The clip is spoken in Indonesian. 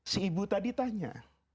si ibu tadi tanya